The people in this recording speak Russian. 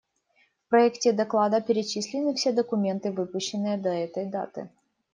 В проекте доклада перечислены все документы, выпущенные до этой даты.